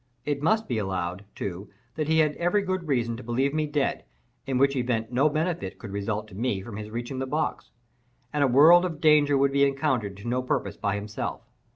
It must be allowed, too, that he had every good reason to believe me dead; in which event no benefit could result to me from his reaching the box, and a world of danger would be encountered to no purpose by himself.